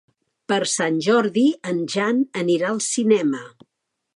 Per Sant Jordi en Jan anirà al cinema.